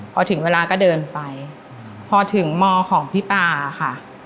พอถึงเวลาก็เดินไปพอถึงมของพี่ป่าค่ะ